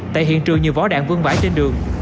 tại hiện trường nhiều vỏ đạn vương vãi trên đường